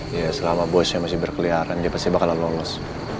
ya selama bosnya masih berkeliaran dia pasti bakal lulus